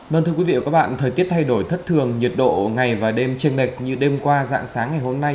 vâng thưa quý vị và các bạn thời tiết thay đổi thất thường nhiệt độ ngày và đêm trên lệch như đêm qua dạng sáng ngày hôm nay